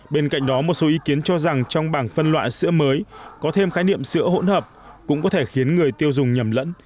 bên cạnh đó một số ý kiến cho rằng trong bảng phân loại sữa mới có thêm khái niệm sữa hỗn hợp cũng có thể khiến người tiêu dùng nhầm lẫn